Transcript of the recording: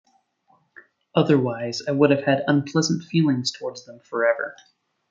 Otherwise I would have had unpleasant feelings towards them forever.